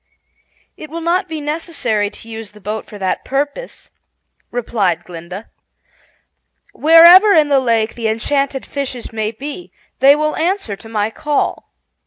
"It will not be necessary to use the boat for that purpose," replied Glinda. "Wherever in the lake the enchanted fishes may be, they will answer to my call.